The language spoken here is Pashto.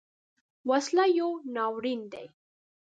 وسله یو ناورین دی